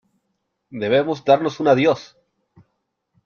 ¡ debemos darnos un adiós !